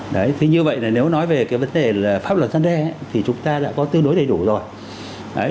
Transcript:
đấy thế như vậy là nếu nói về cái vấn đề là pháp luật gian đe thì chúng ta đã có tư đối đầy đủ rồi